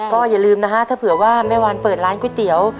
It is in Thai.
ก็อย่าลืมนะฮะถ้าเผื่อว่าแม่วันเปิดร้านก๋วยเตี๋ยว